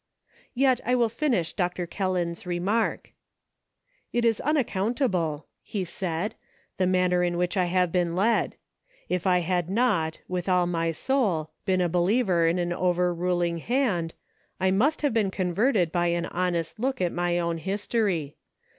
Yet I will finish Dr. Kelland's remark. " It is unaccountable," he said, " the manner in which I have been led ! If I had not, with all my " THAT BEATS ME !" 33/ soul, been a believer in an Over ruling Hand, I must have been converted by an honest look at my own history.